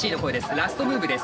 ラストムーブです。